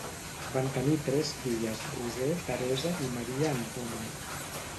Van tenir tres filles, Roser, Teresa i Maria Antònia.